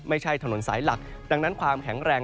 ถนนสายหลักดังนั้นความแข็งแรง